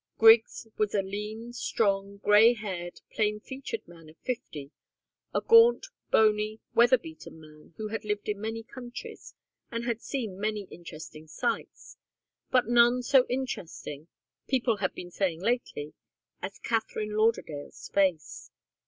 Griggs was a lean, strong, grey haired, plain featured man of fifty, a gaunt, bony, weather beaten man, who had lived in many countries and had seen many interesting sights but none so interesting, people had been saying lately, as Katharine Lauderdale's face.